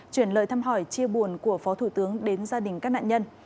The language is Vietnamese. chuyển lời thăm hỏi chia buồn của phó thủ tướng đến gia đình các nạn nhân